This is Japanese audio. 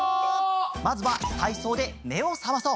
まずはたいそうでめをさまそう！